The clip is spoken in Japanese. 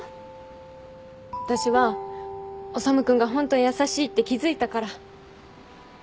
私は修君がホントは優しいって気付いたから。